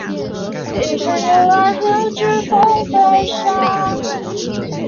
介贵山蹄盖蕨为蹄盖蕨科蹄盖蕨属下的一个变种。